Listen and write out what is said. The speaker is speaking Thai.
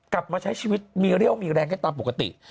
กลับมาใช้ชีวิตมีเรี่ยวมีแรงได้ตามปกติ